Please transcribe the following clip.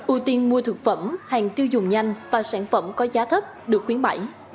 ưu tiên mua thực phẩm hàng tiêu dùng nhanh và sản phẩm có giá thấp được khuyến mại